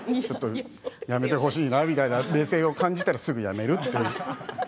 やめてほしいな、みたいな目線を感じたらすぐやめるっていう。